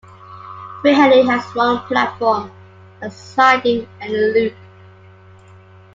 Pwllheli has one platform, a siding and a loop.